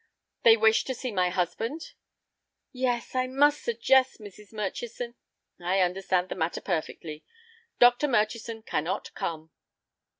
"They wish to see my husband?" "Yes; I must suggest, Mrs. Murchison—" "I understand the matter perfectly. Dr. Murchison cannot come."